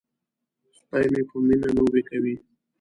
سپی مې په مینه لوبې کوي.